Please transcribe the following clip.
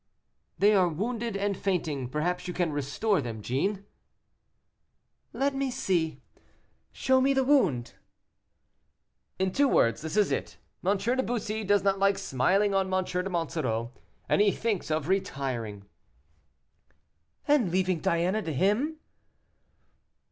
"They are wounded and fainting; perhaps you can restore them, Jeanne?" "Let me see; show me the wound." "In two words, this is it: M. de Bussy does not like smiling on M. de Monsoreau, and he thinks of retiring." "And leaving Diana to him?"